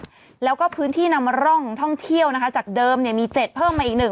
แล้วก็พื้นที่นำร่องท่องเที่ยวนะคะจากเดิมเนี่ยมี๗เพิ่มมาอีกหนึ่ง